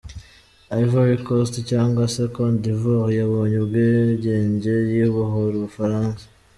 Ivory Coast cyangwa se Côte d’Ivoire yabonye ubwigenge yibohora Ubufaransa.